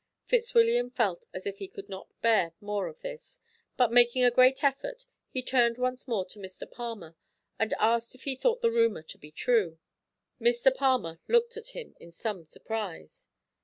Fitzwilliam felt as if he could not bear more of this, but, making a great effort, he turned once more to Mr. Palmer and asked if he thought the rumour to be true. Mr. Palmer looked at him in some surprise.